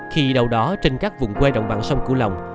khi đầu đó trên các vùng quê rộng bằng sông cửu long